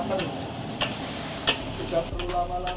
sudah perlu lama lama